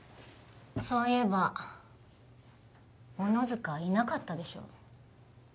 そういえば小野塚いなかったでしょ？